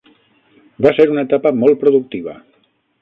Va ser una etapa molt productiva.